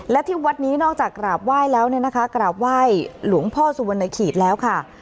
และที่วัดนี้นอกจากกราบไหว้แล้วเนี่ยนะคะกราบไหว้หลวงพ่อสุวรรณขีดแล้วค่ะ